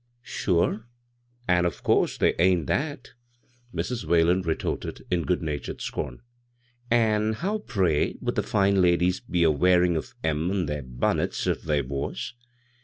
" Sure, an' of course they ain't that," Mrs. Whalen retorted in good natured scorn. " An' how, pray, would the fine ladies be a wearin' of 'em on th^ bunnits if they was